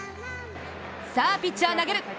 さぁ、ピッチャー投げる。